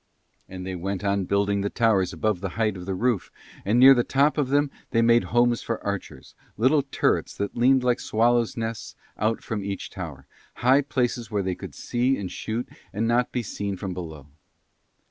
And they went on building the towers above the height of the roof And near the top of them they made homes for archers, little turrets that leaned like swallows' nests out from each tower, high places where they could see and shoot and not be seen from below.